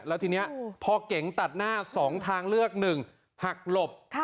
แล้วทีเนี้ยพอเก่งตัดหน้าสองทางเลือกหนึ่งหักหลบ